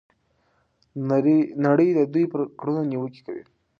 نړۍ د دوی پر کړنو نیوکې کوي.